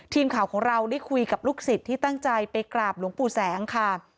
ทีมข่าวของเราได้คุยกับลูกศิษย์ที่ตั้งใจไปกราบหลวงปู่แสงค่ะ